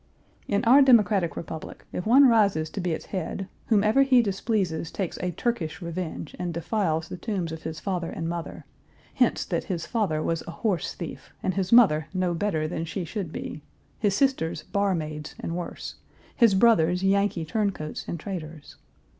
In our democratic Republic, if one rises to be its head, whomever he displeases takes a Turkish revenge and defiles the tombs of his father and mother; hints that his father was a horse thief and his mother no better than she should be; his sisters barmaids and worse, his brothers Yankee turncoats and traitors.